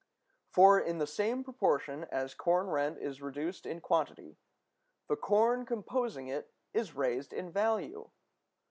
For, in the same proportion as corn rent is reduced in quantity, the corn composing it is raised in value.